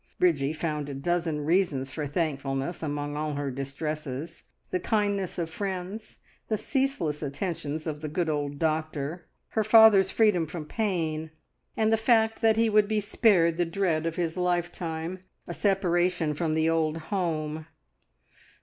Bridgie found a dozen reasons for thankfulness among all her distresses the kindness of friends, the ceaseless attentions of the good old doctor, her father's freedom from pain, and the fact that he would be spared the dread of his lifetime a separation from the old home.